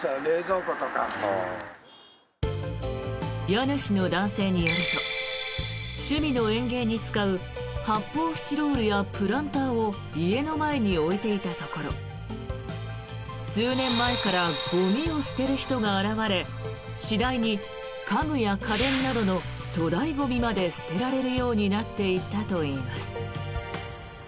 家主の男性によると趣味の園芸に使う発泡スチロールやプランターを家の前に置いていたところ数年前からゴミを捨てる人が現れ次第に家具や家電などの粗大ゴミまで捨てられるようになっていったといいます。